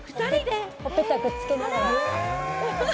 ほっぺたとかくっつけながら。